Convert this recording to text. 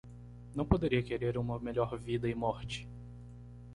Não poderia querer uma melhor vida e morte.